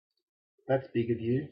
That's big of you.